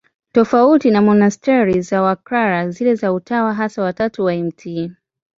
Tofauti na monasteri za Waklara, zile za Utawa Hasa wa Tatu wa Mt.